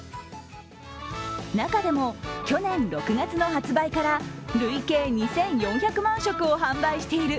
中でも去年６月の発売から累計２４００万食を販売している